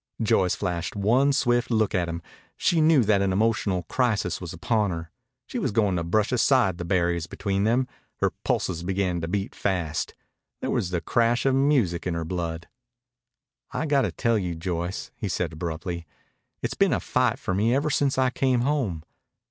Joyce flashed one swift look at him. She knew that an emotional crisis was upon her. He was going to brush aside the barriers between them. Her pulses began to beat fast. There was the crash of music in her blood. "I've got to tell you, Joyce," he said abruptly. "It's been a fight for me ever since I came home.